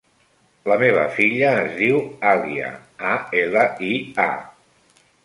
La meva filla es diu Alia: a, ela, i, a.